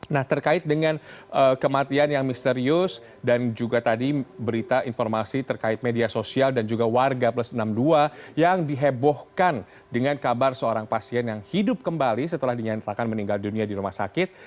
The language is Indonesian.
nah terkait dengan kematian yang misterius dan juga tadi berita informasi terkait media sosial dan juga warga plus enam puluh dua yang dihebohkan dengan kabar seorang pasien yang hidup kembali setelah dinyatakan meninggal dunia di rumah sakit